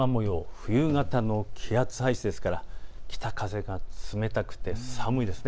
冬型の気圧配置ですから北風が冷たくて寒いです。